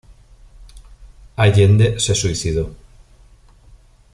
Allende se suicidó.